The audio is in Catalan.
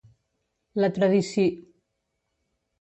La tradici